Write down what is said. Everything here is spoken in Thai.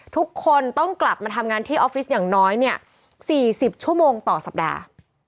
ทุกคนต้องกลับมาทำงานที่ออฟฟิศอย่างน้อยเนี่ย๔๐ชั่วโมงต่อสัปดาห์